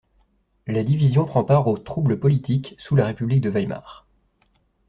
La division prend part aux troubles politiques sous la république de Weimar.